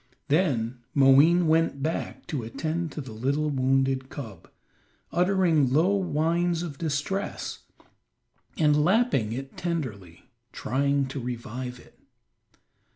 Then Moween went back to attend to the little wounded cub, uttering low whines of distress, and lapping it tenderly, trying to revive it.